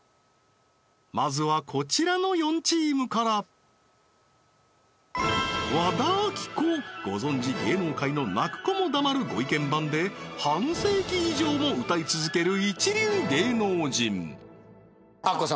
まずはこちらの４チームから和田アキ子ご存じ芸能界の泣く子も黙るご意見番で半世紀以上も歌い続ける一流芸能人アッコ様